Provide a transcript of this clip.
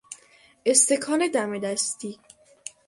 استکان دم دستی